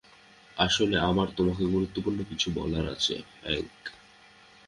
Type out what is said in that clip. আসলে, আমার তোমাকে গুরুত্বপূর্ণ কিছু বলার আছে, হ্যাংক।